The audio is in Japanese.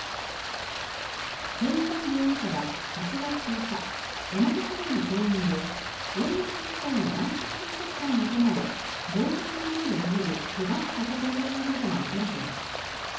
ヘン・ライ容疑者は８月１０日、大和市内の公園で４１歳の男性警察官の頭を棒状のもので殴りけがをさせた疑いなどがもたれています。